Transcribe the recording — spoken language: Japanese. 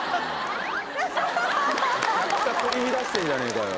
むちゃくちゃ取り乱してんじゃねぇかよ。